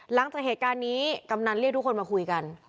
หลังจากเหตุการณ์นี้กำนันเรียกทุกคนมาคุยกัน